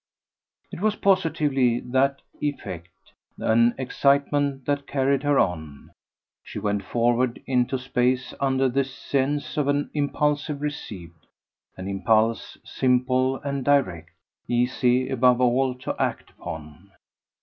It was positively, that effect, an excitement that carried her on; she went forward into space under the sense of an impulse received an impulse simple and direct, easy above all to act upon.